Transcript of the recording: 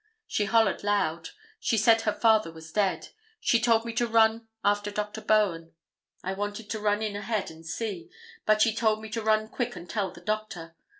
She hollored loud; she said her father was dead. She told me to run after Dr. Bowen. I wanted to run in ahead and see, but she told me to run quick and tell the doctor.